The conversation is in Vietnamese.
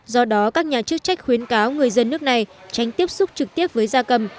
do đó các nhà chức trách khuyến cáo người dân nước này tránh tiếp xúc trực tiếp với da cầm